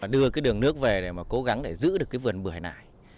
đưa cái đường nước về để cố gắng giữ được cái vườn bưởi này